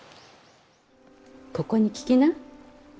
ここに聞きな。